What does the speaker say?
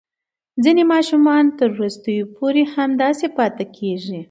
ځینې ماشومان تر وروستیو پورې همداسې پاتې کېږي.